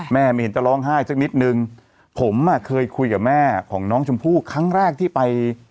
ไม่เห็นจะร้องไห้สักนิดนึงผมอ่ะเคยคุยกับแม่ของน้องชมพู่ครั้งแรกที่ไป